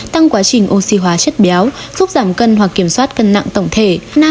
tăng quá trình oxy hóa chất béo giúp giảm cân hoặc kiểm soát cân nặng tổng thể